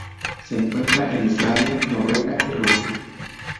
Se encuentra en Islandia, Noruega y Rusia.